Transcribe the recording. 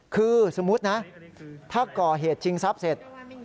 คือสมมุตินะถ้าก่อเหตุชิงทรัพย์เสร็จ